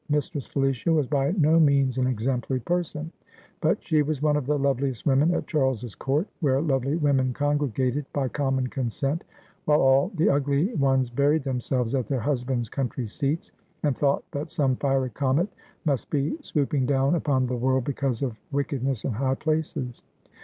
Mistress Felicia was by no means an exemplary person, but she was one of the loveliest women at Charles's court, where lovely women congregated by common consent, while all the ugly ones buried themselves at their husbands' country seats, and thought that some fiery comet must be swooping down upon the world because of wickedness in high places.